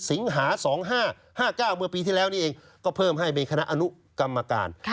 สิงหา๒๕๕๙เมื่อปีที่แล้วนี่เองก็เพิ่มให้เป็นคณะอนุกรรมการ